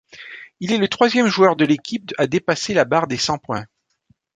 Il est le troisième joueur de l'équipe à dépasser la barre des cent points.